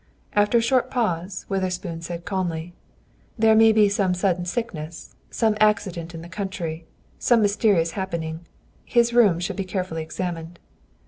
After a short pause, Witherspoon said calmly, "There may be some sudden sickness, some accident in the country, some mysterious happening. His rooms should be carefully examined."